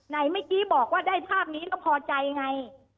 ไหนเมื่อกี้บอกว่าได้ภาพนี้ก็พอใจไง